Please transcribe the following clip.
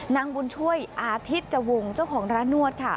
นางบุญช่วยอาทิตย์จวงศ์เจ้าของร้านนวดค่ะ